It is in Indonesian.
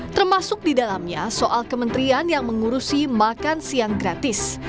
termasuk di dalamnya soal kementerian yang mengurusi makan siang gratis